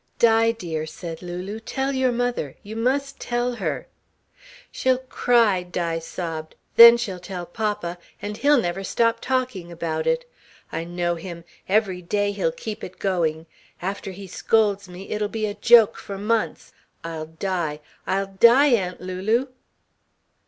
"Di, dear," said Lulu. "Tell your mother you must tell her." "She'll cry," Di sobbed. "Then she'll tell papa and he'll never stop talking about it. I know him every day he'll keep it going. After he scolds me it'll be a joke for months. I'll die I'll die, Aunt Lulu."